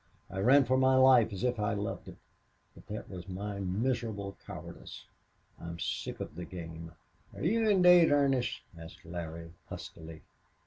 I ran for my life as if I loved it. But that was my miserable cowardice.... I'm sick of the game." "Are you in daid earnest?" asked Larry, huskily.